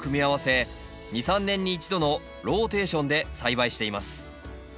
２３年に１度のローテーションで栽培しています。